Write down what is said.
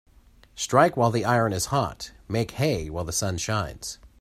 Strike while the iron is hot Make hay while the sun shines.